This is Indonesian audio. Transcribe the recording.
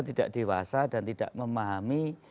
tidak dewasa dan tidak memahami